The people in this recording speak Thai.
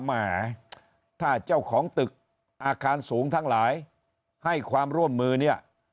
แหมถ้าเจ้าของตึกอาคารสูงทั้งหลายให้ความร่วมมือเนี่ย